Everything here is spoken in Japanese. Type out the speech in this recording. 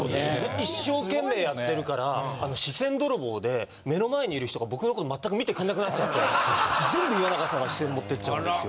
一生懸命やってるから視線泥棒で目の前にいる人が僕のことまったく見てくれなくなっちゃって全部岩永さんが視線持ってっちゃうんですよ。